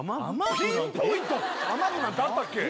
ピンポイント雨具なんてあったっけ？